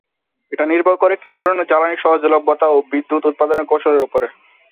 এটা নির্ভর করে কি ধরনের জ্বালানীর সহজলভ্যতা ও বিদ্যুৎ উৎপাদনের কৌশলের উপরে।